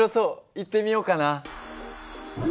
行ってみようかな。